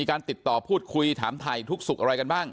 เพราะไม่เคยถามลูกสาวนะว่าไปทำธุรกิจแบบไหนอะไรยังไง